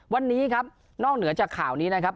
วันนี้ครับนอกเหนือจากข่าวนี้นะครับ